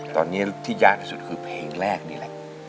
ตอนนี้ที่ยากที่สุดคือเพลงแรกนี่แหละ